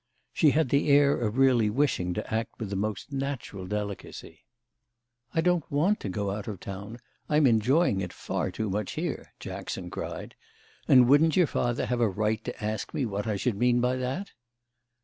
She had the air of really wishing to act with the most natural delicacy. "I don't want to go out of town; I'm enjoying it far too much here," Jackson cried. "And wouldn't your father have a right to ask me what I should mean by that?"